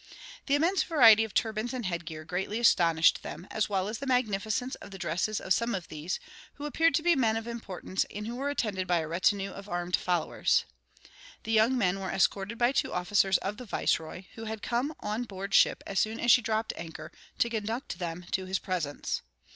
The immense variety of turbans and headgear greatly astonished them, as well as the magnificence of the dresses of some of these, who appeared to be men of importance and who were attended by a retinue of armed followers. The young men were escorted by two officers of the viceroy, who had come on board ship as soon as she dropped anchor, to conduct them to his presence.